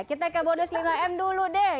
kita ke bonus lima m dulu deh